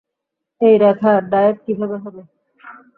এই রেখা ডায়েট কীভাবে হবে?